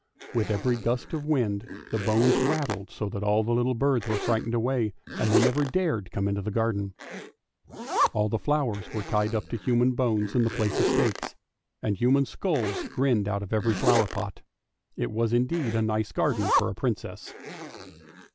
With every gust of wind the bones rattled so that all the little birds were frightened away and they never dared come into the garden ; all the flowers were tied up to human bones in the place of stakes, and human skulls grinned out of every flower pot. It was indeed a nice garden for a Princess.